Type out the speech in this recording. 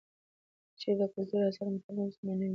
که چیرې د کلتور د اثارو مطالعه وسي، نو نوي نظریات به وړاندې سي.